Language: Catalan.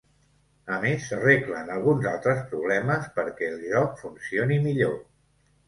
A més, s'arreglen alguns altres problemes perquè el joc funcioni millor.